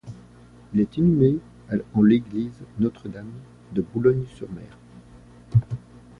Il est inhumé en l’église Notre-Dame de Boulogne-sur-Mer.